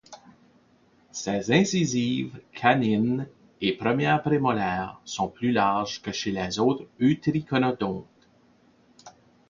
Ses incisives, canines et premières prémolaires sont plus larges que chez les autres eutriconodontes.